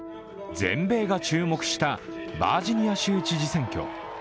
全米が注目したバージニア州知事選挙。